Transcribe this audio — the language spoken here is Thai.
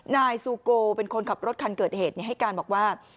นายซูโกเป็นคนขับรถคันเกิดเหตุให้การบอกว่า